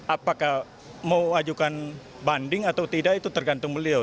apakah mau ajukan banding atau tidak itu tergantung beliau